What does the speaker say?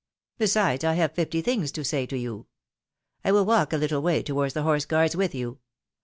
Besides, I have fifty things to say to you. I will walk a httle way towards the Horse guards wdth you.